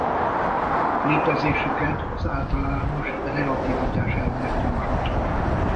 Létezésüket az általános relativitáselmélet jósolta meg.